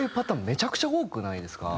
めちゃくちゃ多くないですか？